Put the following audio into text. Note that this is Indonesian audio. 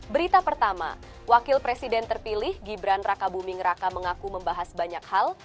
berita pertama wakil presiden terpilih gibran raka buming raka mengaku membahas banyak hal